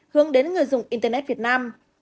hướng đến người dùng internet việt nam